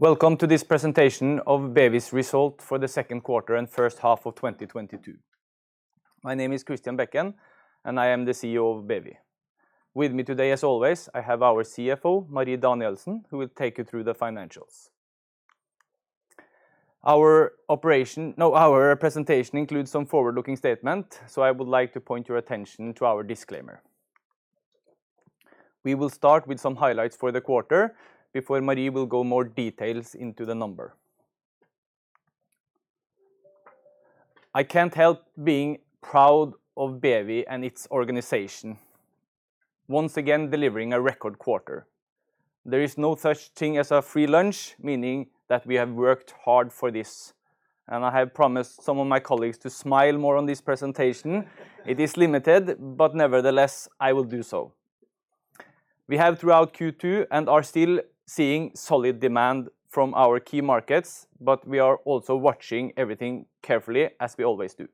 Welcome to this presentation of BEWI's result for the second quarter and first half of 2022. My name is Christian Bekken, and I am the CEO of BEWI. With me today, as always, I have our CFO, Marie Danielsen, who will take you through the financials. Our presentation includes some forward-looking statement, so I would like to point your attention to our disclaimer. We will start with some highlights for the quarter before Marie will go more details into the number. I can't help being proud of BEWI and its organization once again delivering a record quarter. There is no such thing as a free lunch, meaning that we have worked hard for this. I have promised some of my colleagues to smile more on this presentation. It is limited, but nevertheless, I will do so. We have throughout Q2 and are still seeing solid demand from our key markets, but we are also watching everything carefully as we always do.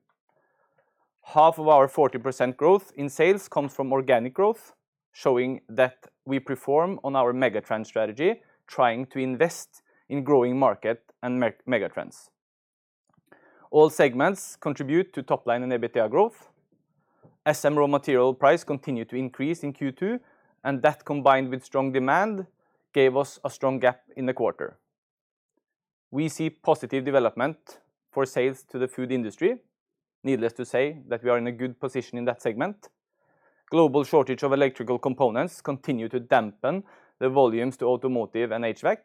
Half of our 40% growth in sales comes from organic growth, showing that we perform on our mega trend strategy, trying to invest in growing market and mega trends. All segments contribute to top line and EBITDA growth. SM raw material price continued to increase in Q2, and that combined with strong demand gave us a strong GAP in the quarter. We see positive development for sales to the food industry. Needless to say that we are in a good position in that segment. Global shortage of electrical components continue to dampen the volumes to automotive and HVAC,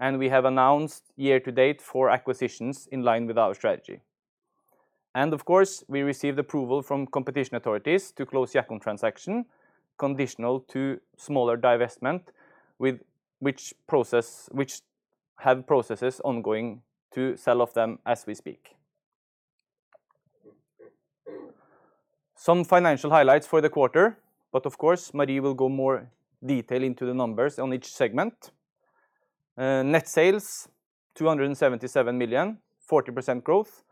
and we have announced year-to-date four acquisitions in line with our strategy. Of course, we received approval from competition authorities to close Jackon transaction, conditional to smaller divestment with which processes are ongoing to sell off them as we speak. Some financial highlights for the quarter, but of course, Marie will go into more detail into the numbers on each segment. Net sales, 277 million, 40% growth.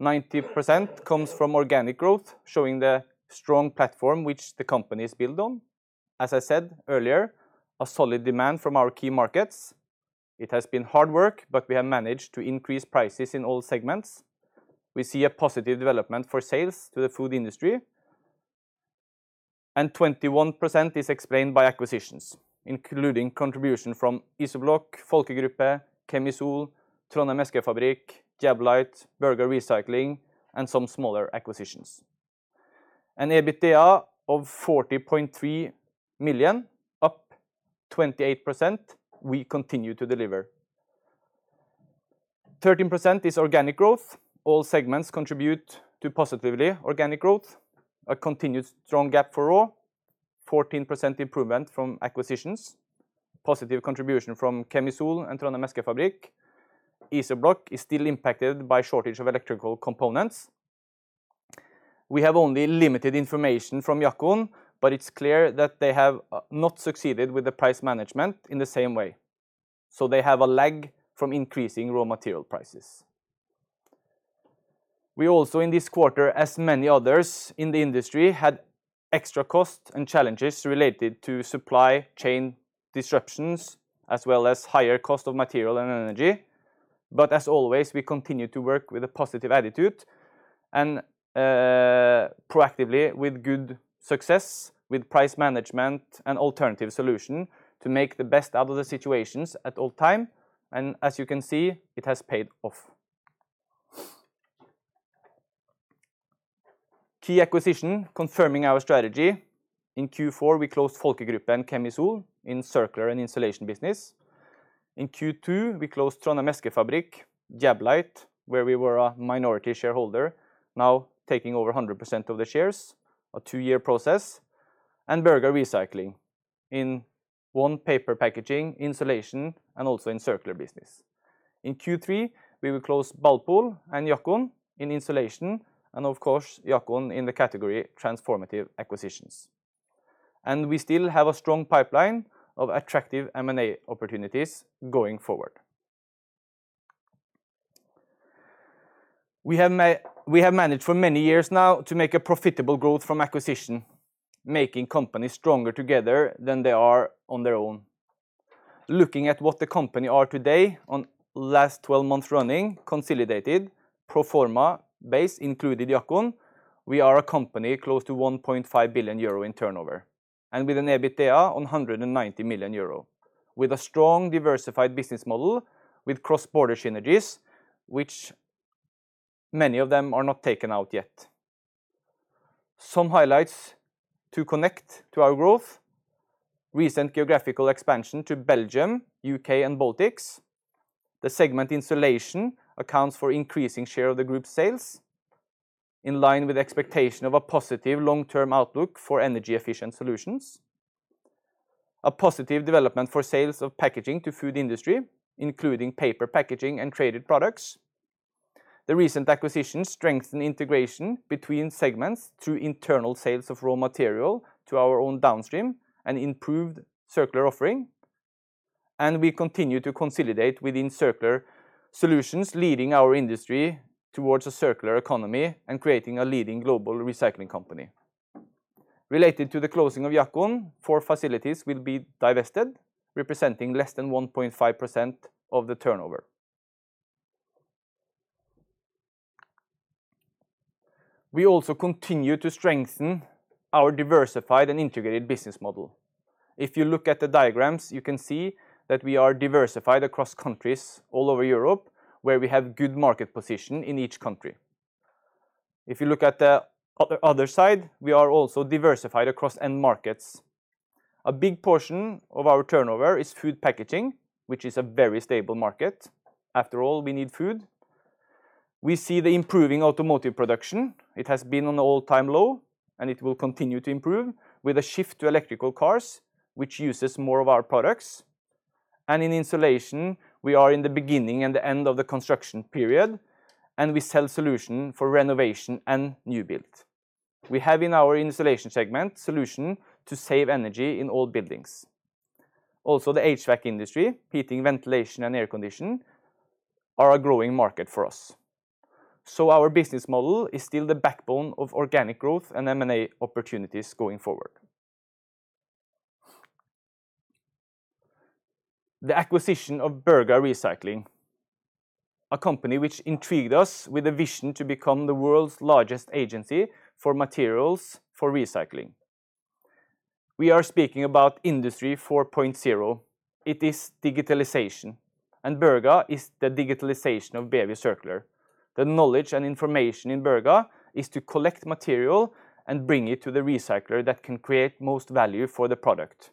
90% comes from organic growth, showing the strong platform which the company is built on. As I said earlier, a solid demand from our key markets. It has been hard work, but we have managed to increase prices in all segments. We see a positive development for sales to the food industry, and 21% is explained by acquisitions, including contribution from IZOBLOK, Volker Gruppe, Kemisol, Trondhjems Eskefabrikk, Jablite, Berga Recycling, and some smaller acquisitions. An EBITDA of 40.3 million, up 28%, we continue to deliver. 13% is organic growth. All segments contribute to positively organic growth, a continued strong GAP for raw, 14% improvement from acquisitions, positive contribution from Kemisol and Trondhjems Eskefabrikk. IZOBLOK is still impacted by shortage of electrical components. We have only limited information from Jackon, but it's clear that they have not succeeded with the price management in the same way. They have a lag from increasing raw material prices. We also in this quarter, as many others in the industry, had extra costs and challenges related to supply chain disruptions, as well as higher cost of material and energy. As always, we continue to work with a positive attitude and proactively with good success with price management and alternative solution to make the best out of the situations at all times. As you can see, it has paid off. Key acquisition confirming our strategy. In Q4, we closed Volker Gruppe and Kemisol in Circular and Insulation business. In Q2, we closed Trondhjems Eskefabrikk, Jablite, where we were a minority shareholder, now taking over 100% of the shares, a two-year process, and Berga Recycling in our paper packaging, insulation, and also in circular business. In Q3, we will close BalPol and Jackon in Insulation and of course, Jackon in the category transformative acquisitions. We still have a strong pipeline of attractive M&A opportunities going forward. We have managed for many years now to make a profitable growth from acquisition, making companies stronger together than they are on their own. Looking at what the company are today on last 12 months running, consolidated, pro forma basis including Jackon, we are a company close to 1.5 billion euro in turnover and with an EBITDA of 190 million euro with a strong diversified business model with cross-border synergies which many of them are not taken out yet. Some highlights to connect to our growth. Recent geographical expansion to Belgium, U.K., and Baltics. The segment insulation accounts for increasing share of the group's sales in line with expectation of a positive long-term outlook for energy-efficient solutions. A positive development for sales of packaging to food industry, including paper packaging and traded products. The recent acquisitions strengthen integration between segments through internal sales of raw material to our own downstream and improved circular offering. We continue to consolidate within Circular Solutions, leading our industry towards a circular economy and creating a leading global recycling company. Related to the closing of Jackon, four facilities will be divested, representing less than 1.5% of the turnover. We also continue to strengthen our diversified and integrated business model. If you look at the diagrams, you can see that we are diversified across countries all over Europe, where we have good market position in each country. If you look at the other side, we are also diversified across end markets. A big portion of our turnover is food packaging, which is a very stable market. After all, we need food. We see the improving automotive production. It has been on all-time low, and it will continue to improve with a shift to electric cars, which uses more of our products. In insulation, we are in the beginning and the end of the construction period, and we sell solution for renovation and new build. We have in our insulation segment solution to save energy in old buildings. Also, the HVAC industry, heating, ventilation, and air conditioning, are a growing market for us. Our business model is still the backbone of organic growth and M&A opportunities going forward. The acquisition of Berga Recycling, a company which intrigued us with a vision to become the world's largest agency for materials for recycling. We are speaking about Industry 4.0. It is digitalization, and Berga is the digitalization of BEWI Circular. The knowledge and information in Berga is to collect material and bring it to the recycler that can create most value for the product.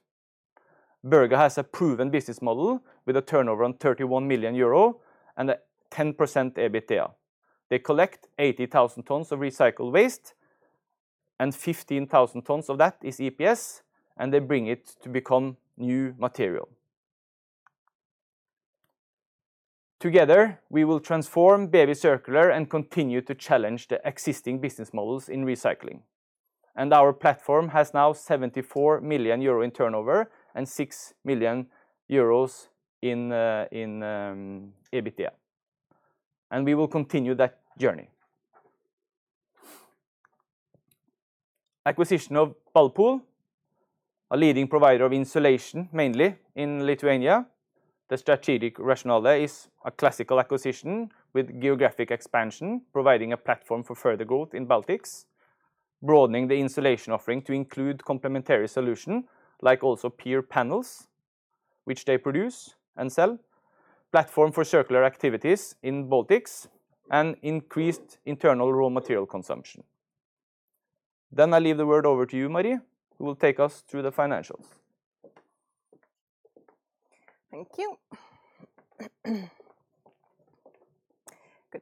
Berga has a proven business model with a turnover of 31 million euro and a 10% EBITDA. They collect 80,000 tons of recycled waste, and 15,000 tons of that is EPS, and they bring it to become new material. Together, we will transform BEWI Circular and continue to challenge the existing business models in recycling. Our platform has now 74 million euro in turnover and 6 million euros in EBITDA. We will continue that journey. Acquisition of BalPol, a leading provider of insulation mainly in Lithuania. The strategic rationale there is a classic acquisition with geographic expansion, providing a platform for further growth in Baltics, broadening the insulation offering to include complementary solution, like also PIR panels, which they produce and sell, platform for circular activities in Baltics, and increased internal raw material consumption. I hand the word over to you, Marie, who will take us through the financials. Thank you. Good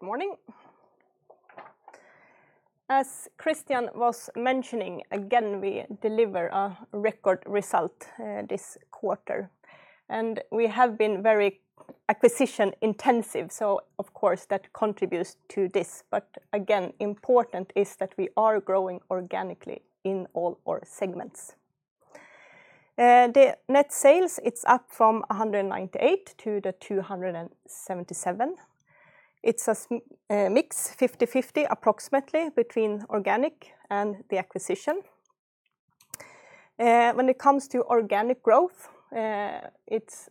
morning. As Christian was mentioning, again, we deliver a record result this quarter, and we have been very acquisition intensive, so of course, that contributes to this. Again, important is that we are growing organically in all our segments. The net sales, it's up from 198 to 277. It's a mix, 50/50 approximately between organic and the acquisition. When it comes to organic growth, it's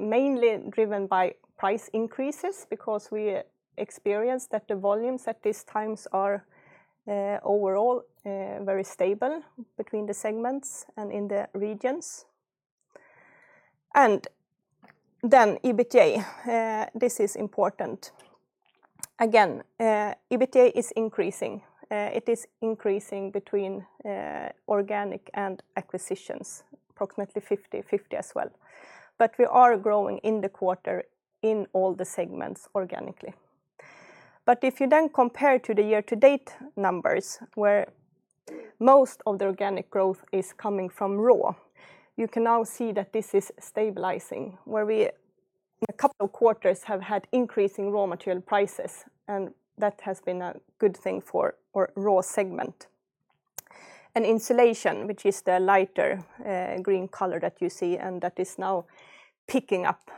mainly driven by price increases because we experience that the volumes at these times are overall very stable between the segments and in the regions. EBITDA, this is important. Again, EBITDA is increasing. It is increasing between organic and acquisitions, approximately 50/50 as well. We are growing in the quarter in all the segments organically. If you then compare to the year-to-date numbers, where most of the organic growth is coming from Raw, you can now see that this is stabilizing, where we in a couple of quarters have had increasing raw material prices, and that has been a good thing for our Raw segment. Insulation, which is the lighter green color that you see, and that is now picking up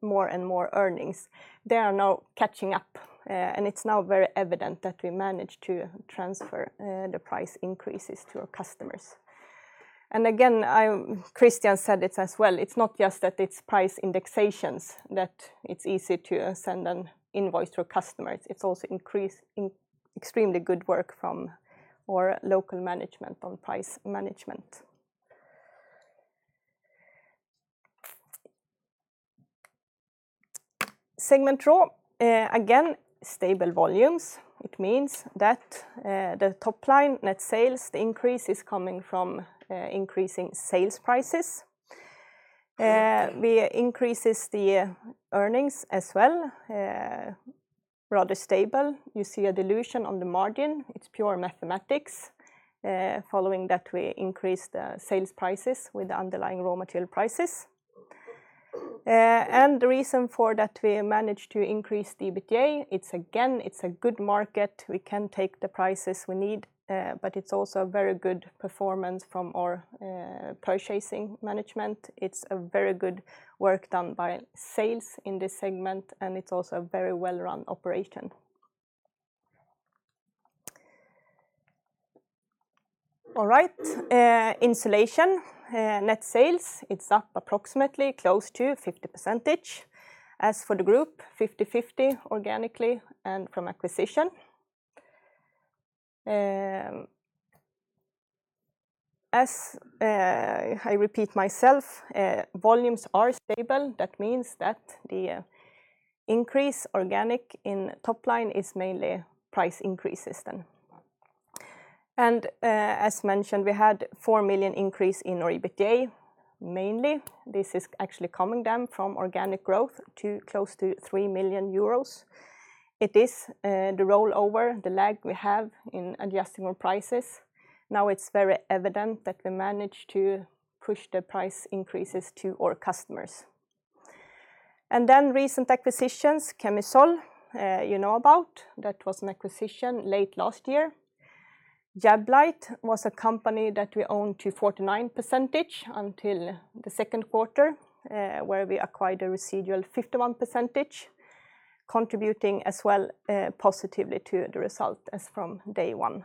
more and more earnings, they are now catching up, and it's now very evident that we managed to transfer the price increases to our customers. Again, Christian said it as well, it's not just that it's price indexations, that it's easy to send an invoice to a customer. It's also increase in extremely good work from our local management on price management. Segment Raw, again, stable volumes. It means that, the top line net sales increase is coming from, increasing sales prices. we increases the earnings as well, rather stable. You see a dilution on the margin. It's pure mathematics, following that we increase the sales prices with underlying raw material prices, and the reason for that we managed to increase the EBITDA, it's again, it's a good market. We can take the prices we need, but it's also a very good performance from our, purchasing management. It's a very good work done by sales in this segment, and it's also a very well-run operation. All right, Insulation, net sales, it's up approximately close to 50%. As for the group, 50/50 organically and from acquisition. As I repeat myself, volumes are stable. That means that the organic increase in top line is mainly price increases then. As mentioned, we had 4 million increase in our EBITDA. Mainly this is actually coming from organic growth to close to 3 million euros. It is the rollover, the lag we have in adjusting our prices. Now it's very evident that we managed to push the price increases to our customers. Recent acquisitions, Kemisol, you know about, that was an acquisition late last year. Jablite was a company that we owned up to 49% until the second quarter, where we acquired a residual 51%, contributing as well positively to the result as from day one.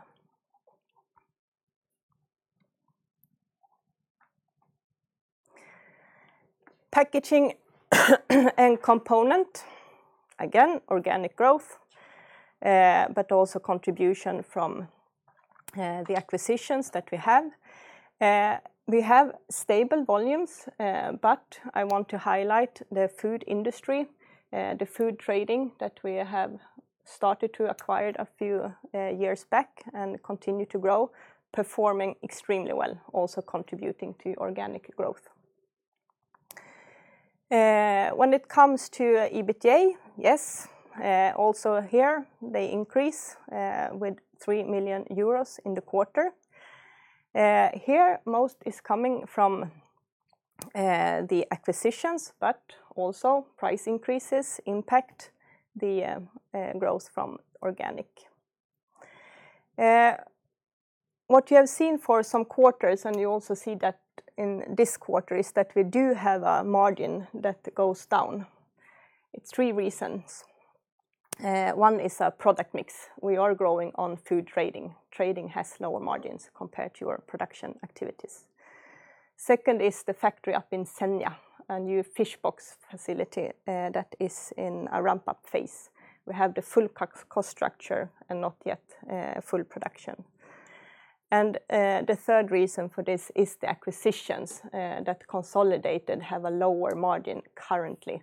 Packaging and Component, again, organic growth, but also contribution from the acquisitions that we have. We have stable volumes, but I want to highlight the food industry, the food trading that we have started to acquire a few years back and continue to grow, performing extremely well, also contributing to organic growth. When it comes to EBITDA, yes, also here they increase with 3 million euros in the quarter. Here most is coming from the acquisitions, but also price increases impact the growth from organic. What you have seen for some quarters, and you also see that in this quarter, is that we do have a margin that goes down. It's three reasons. One is product mix. We are growing on food trading. Trading has lower margins compared to our production activities. Second is the factory up in Senja, a new fish box facility that is in a ramp-up phase. We have the full cost structure and not yet full production. The third reason for this is the acquisitions that consolidated have a lower margin currently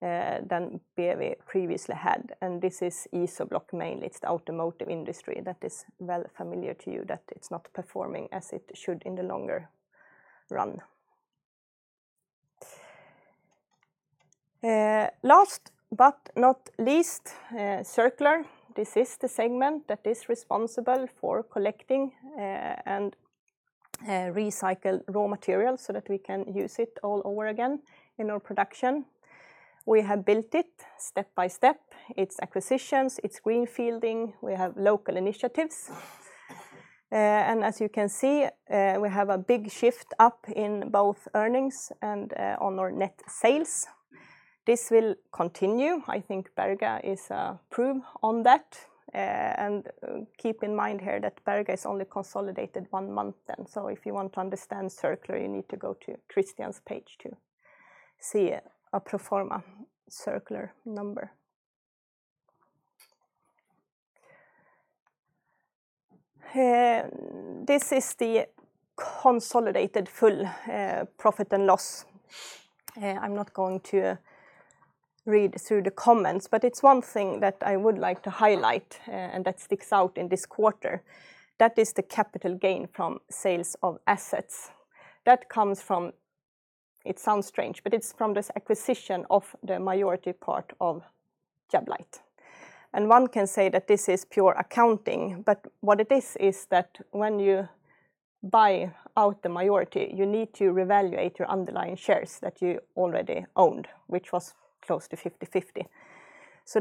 than BEWI previously had, and this is IZOBLOK mainly. It's the automotive industry that is well familiar to you that it's not performing as it should in the longer run. Last but not least, Circular, this is the segment that is responsible for collecting and recycle raw materials so that we can use it all over again in our production. We have built it step by step. It's acquisitions, it's greenfielding, we have local initiatives. As you can see, we have a big shift up in both earnings and on our net sales. This will continue. I think Berga is a proof on that. Keep in mind here that Berga is only consolidated one month then. If you want to understand Circular, you need to go to Christian's page to see a pro forma Circular number. This is the consolidated full profit and loss. I'm not going to read through the comments, but it's one thing that I would like to highlight, and that sticks out in this quarter. That is the capital gain from sales of assets. That comes from. It sounds strange, but it's from this acquisition of the majority part of Jablite. One can say that this is pure accounting, but what it is is that when you buy out the majority, you need to revalue your underlying shares that you already owned, which was close to 50/50.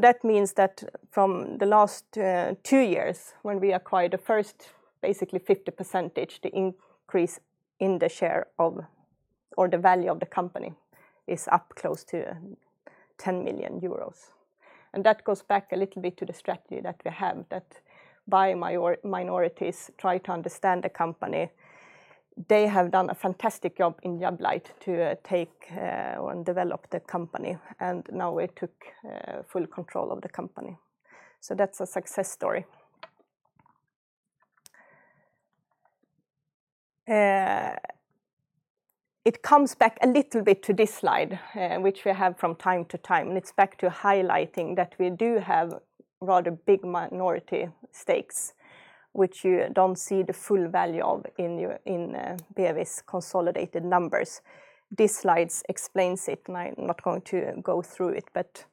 That means that from the last two years when we acquired the first basically 50%, the increase in the share of or the value of the company is up close to 10 million euros. That goes back a little bit to the strategy that we have, that buy minorities, try to understand the company. They have done a fantastic job in Jablite to take and develop the company, and now we took full control of the company. That's a success story. It comes back a little bit to this slide, which we have from time to time, and it's back to highlighting that we do have rather big minority stakes, which you don't see the full value of in your, in BEWI's consolidated numbers. This slide explains it, and I'm not going to go through it, but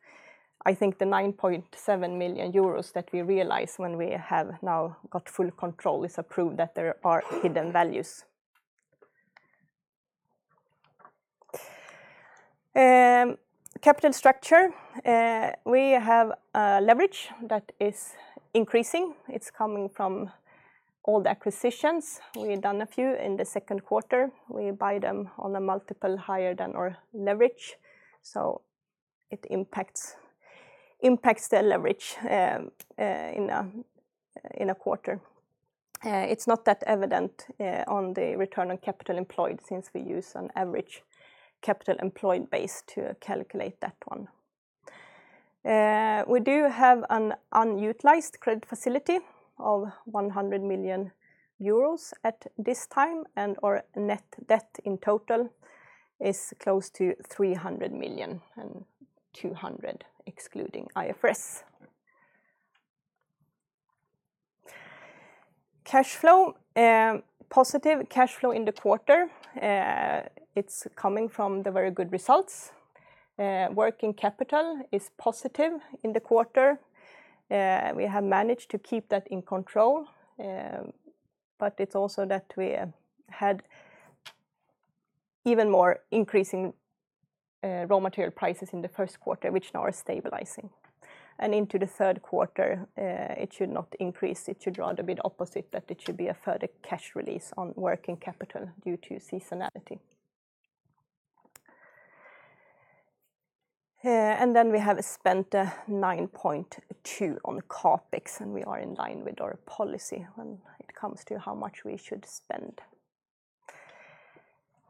I think the 9.7 million euros that we realized when we have now got full control is a proof that there are hidden values. Capital structure, we have a leverage that is increasing. It's coming from all the acquisitions. We've done a few in the second quarter. We buy them on a multiple higher than our leverage, so it impacts the leverage in a quarter. It's not that evident on the return on capital employed since we use an average capital employed base to calculate that one. We do have an unutilized credit facility of 100 million euros at this time, and our net debt in total is close to 300 million, and 200 excluding IFRS. Cash flow, positive cash flow in the quarter, it's coming from the very good results. Working capital is positive in the quarter. We have managed to keep that in control, but it's also that we had even more increasing, raw material prices in the first quarter, which now are stabilizing. Into the third quarter, it should not increase. It should rather be the opposite, that it should be a further cash release on working capital due to seasonality. We have spent 9.2 on CapEx, and we are in line with our policy when it comes to how much we should spend.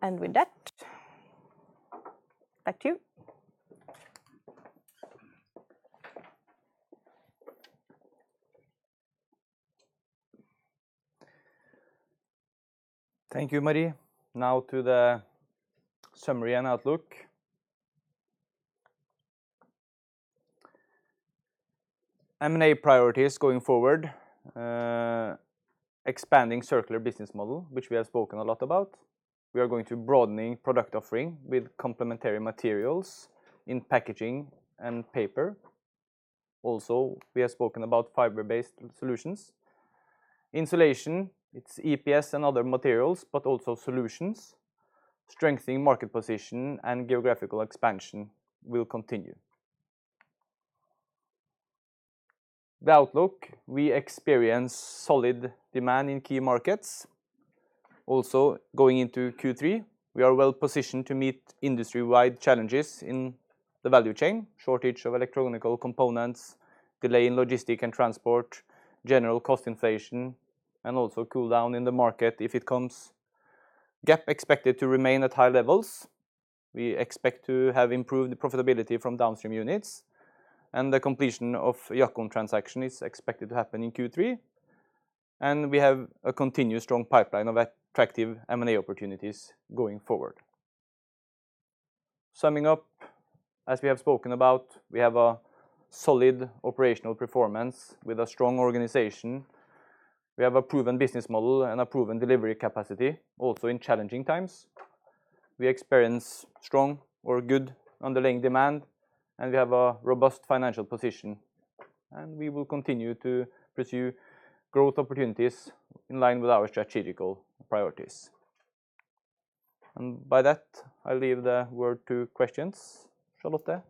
With that, thank you. Thank you, Marie. Now to the summary and outlook. M&A priorities going forward, expanding circular business model, which we have spoken a lot about. We are going to broadening product offering with complementary materials in packaging and paper. Also, we have spoken about fiber-based solutions. Insulation, it's EPS and other materials, but also solutions. Strengthening market position and geographical expansion will continue. The outlook, we experience solid demand in key markets. Also, going into Q3, we are well-positioned to meet industry-wide challenges in the value chain, shortage of electronic components, delay in logistics and transport, general cost inflation, and also cool down in the market if it comes. CapEx expected to remain at high levels. We expect to have improved profitability from downstream units, and the completion of Jackon transaction is expected to happen in Q3. We have a continuous strong pipeline of attractive M&A opportunities going forward. Summing up, as we have spoken about, we have a solid operational performance with a strong organization. We have a proven business model and a proven delivery capacity, also in challenging times. We experience strong or good underlying demand, and we have a robust financial position, and we will continue to pursue growth opportunities in line with our strategic priorities. By that, I leave the word to questions. Charlotte?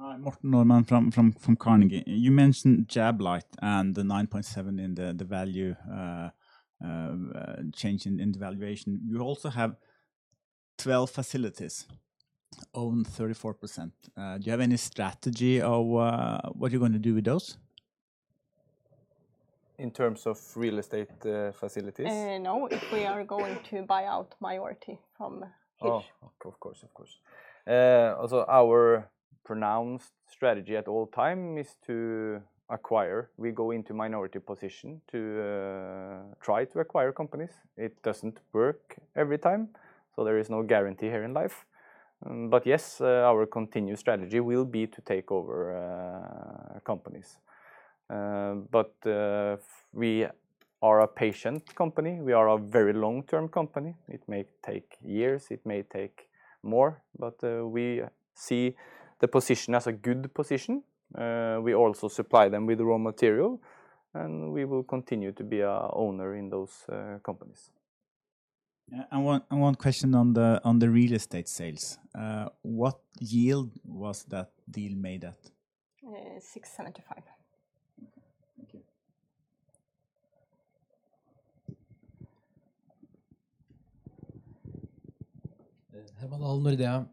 Who? Hi, Morten Normann from Carnegie. You mentioned Jablite and the 9.7 in the value change in the valuation. You also have 12 facilities, own 34%. Do you have any strategy of what you're going to do with those? In terms of real estate, facilities? No, if we are going to buy out minority from each. Of course. Our proven strategy at all times is to acquire. We go into minority positions to try to acquire companies. It doesn't work every time, so there is no guarantee here in life. Yes, our continued strategy will be to take over companies. We are a patient company. We are a very long-term company. It may take years, it may take more, but we see the position as a good position. We also supply them with raw material, and we will continue to be an owner in those companies. One question on the real estate sales. What yield was that deal made at? 675. Thank you. Herman Allén, Nordea.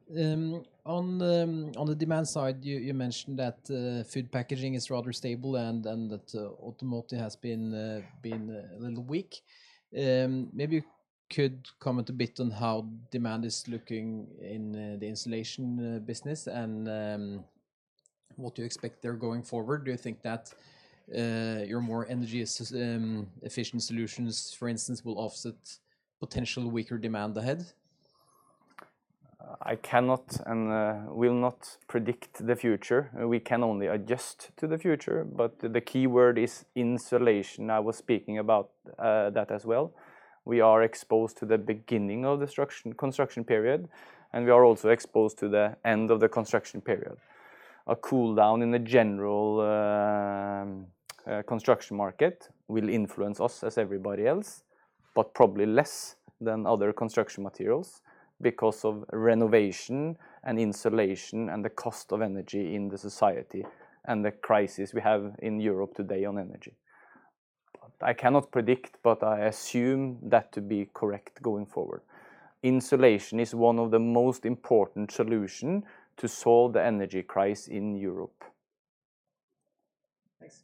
On the demand side, you mentioned that food packaging is rather stable and that automotive has been a little weak. Maybe you could comment a bit on how demand is looking in the insulation business and what you expect there going forward. Do you think that your more energy efficient solutions, for instance, will offset potential weaker demand ahead? I cannot and will not predict the future. We can only adjust to the future, but the key word is insulation. I was speaking about that as well. We are exposed to the beginning of the construction period, and we are also exposed to the end of the construction period. A cool down in the general construction market will influence us as everybody else, but probably less than other construction materials because of renovation and insulation and the cost of energy in the society and the crisis we have in Europe today on energy. I cannot predict, but I assume that to be correct going forward. Insulation is one of the most important solution to solve the energy crisis in Europe. Thanks.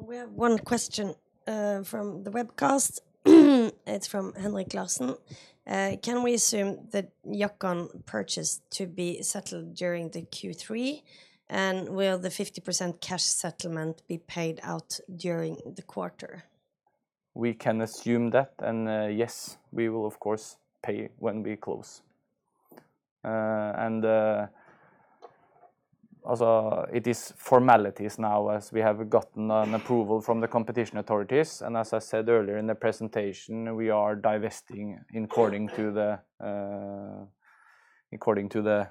We have one question from the webcast. It's from Henrik Glasson. Can we assume that Jackon purchase to be settled during the Q3, and will the 50% cash settlement be paid out during the quarter? We can assume that, and yes, we will of course pay when we close. Also, it is formalities now as we have gotten an approval from the competition authorities. As I said earlier in the presentation, we are divesting according to the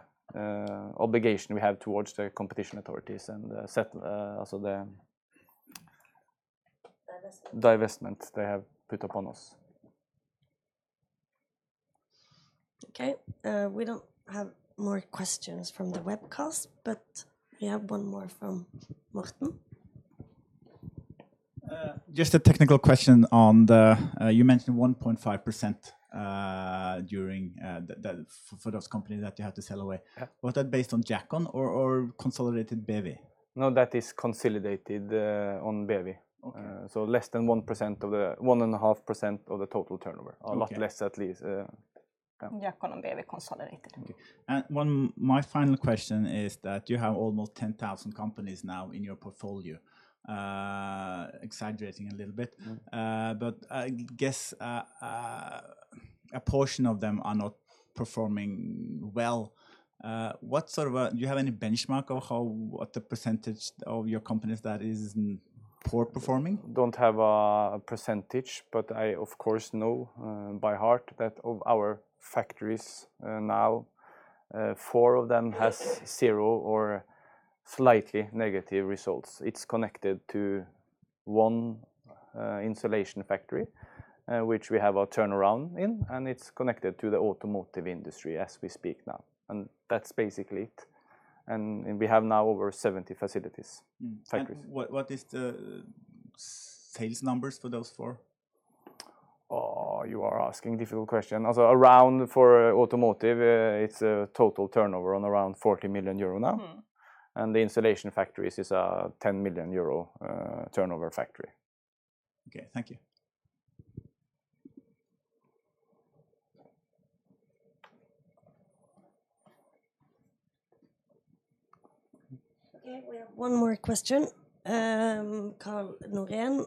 obligation we have towards the competition authorities. Divestment divestment they have put upon us. Okay. We don't have more questions from the webcast, but we have one more from Morten. Just a technical question on the 1.5% you mentioned during the for those companies that you have to sell away. Yeah. Was that based on Jackon or consolidated BEWI? No, that is consolidated on BEWI. Okay. 1.5% of the total turnover. Okay. A lot less at least, yeah. Okay. My final question is that you have almost 10,000 companies now in your portfolio, exaggerating a little bit. Mm-hmm. I guess, a portion of them are not performing well. Do you have any benchmark of what the percentage of your companies that is poor performing? Don't have a percentage, but I of course know by heart that of our factories now four of them has zero or slightly negative results. It's connected to one insulation factory which we have our turnaround in, and it's connected to the automotive industry as we speak now. We have now over 70 facilities, factories. What is the sales numbers for those four? Oh, you are asking difficult question. Also around for automotive, it's a total turnover on around 40 million euro now. Mm-hmm. The insulation factories is a 10 million euro turnover factory. Okay. Thank you. Okay. We have one more question. Karl Norén,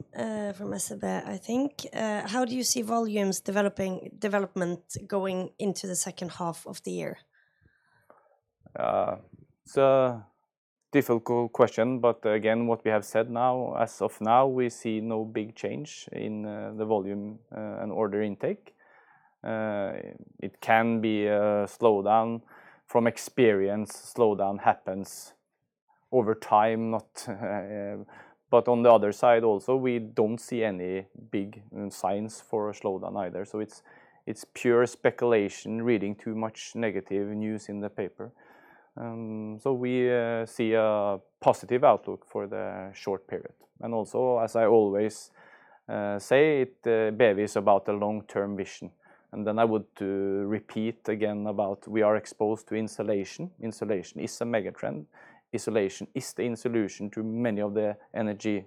from SEB, I think. How do you see volumes development going into the second half of the year? It's a difficult question, but again, what we have said now, as of now, we see no big change in the volume and order intake. It can be a slowdown. From experience, slowdown happens over time, not. But on the other side also, we don't see any big signs for a slowdown either. It's pure speculation, reading too much negative news in the paper. We see a positive outlook for the short period. Also, as I always say, BEWI is about the long-term vision. Then I would repeat again about we are exposed to insulation. Insulation is a mega trend. Insulation is the solution to many of the energy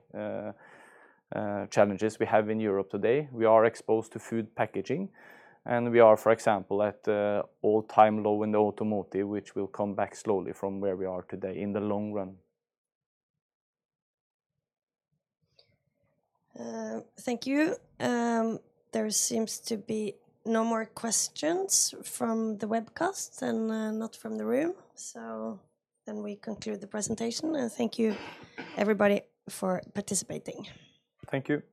challenges we have in Europe today. We are exposed to food packaging, and we are, for example, at an all-time low in the automotive, which will come back slowly from where we are today in the long run. Thank you. There seems to be no more questions from the webcast and, not from the room. We conclude the presentation, and thank you everybody for participating. Thank you.